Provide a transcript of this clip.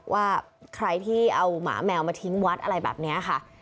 ว่าใครที่เอาหมาแมวมาทิ้งวัดอะไรแบบนี้ค่ะ